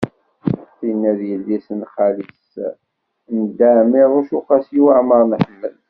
Tinna d yelli-s n xali-s n Dda Ɛmiiruc u Qasi Waɛmer n Ḥmed.